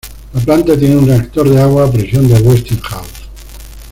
La planta tiene un reactor de agua a presión de Westinghouse.